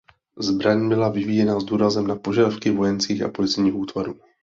Zbraň byla vyvíjena s důrazem na požadavky vojenských a policejních útvarů.